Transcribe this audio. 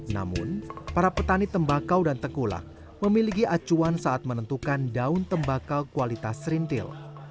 namun para petani tembakau dan tengkulak memiliki acuan saat menentukan daun tembakau kualitas serintil